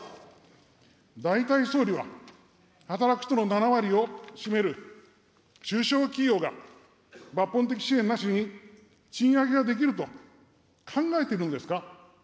大体、総理は働く人の７割を占める中小企業が抜本的支援なしに賃上げができると考えているのですか。